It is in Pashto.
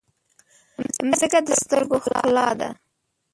مځکه د سترګو ښکلا ده.